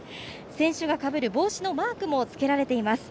選手がかぶる帽子のマークもつけられています。